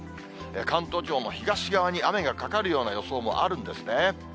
関東地方も東側に雨がかかるような予想もあるんですね。